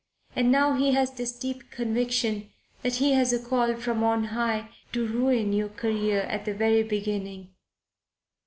And now he has this deep conviction that he has a call from on High to ruin your career at the very beginning.